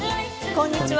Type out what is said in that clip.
こんにちは。